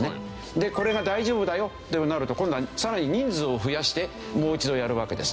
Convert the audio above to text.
でこれが大丈夫だよというふうになると今度はさらに人数を増やしてもう一度やるわけです。